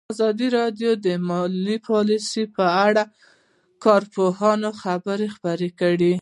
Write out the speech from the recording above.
ازادي راډیو د مالي پالیسي په اړه د کارپوهانو خبرې خپرې کړي.